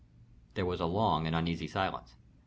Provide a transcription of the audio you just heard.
There was a long and uneasy silence.